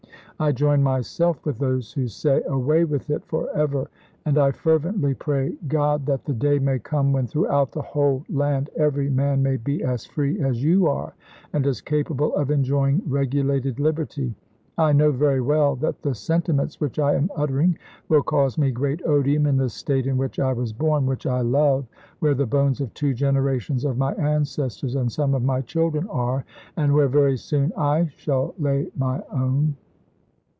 I join myself with those who say, Away with it forever ; and I fervently pray God that the day may come when throughout the whole land every man may be as free as you are, and as capable of enjoying regulated liberty. .. I know very well that the sentiments which I am uttering will cause me great odium in the State in which I was born, which I love, where the bones of two generations of my ancestors and some of my chil dren are, and where very soon I shall lay my own. pherton